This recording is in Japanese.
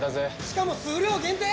しかも数量限定！？